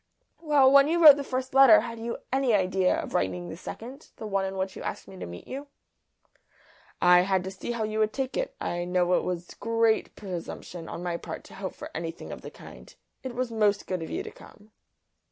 "Well, when you wrote the first letter had you any idea of writing the second, the one in which you asked me to meet you?" "I had to see how you would take it. I know it was great presumption on my part to hope for anything of the kind; it was most good of you to come."